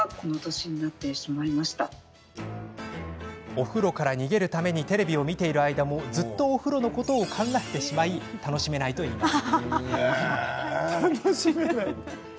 お風呂から逃げるためにテレビを見ている間も、ずっとお風呂のことを考えてしまい楽しめないといいます。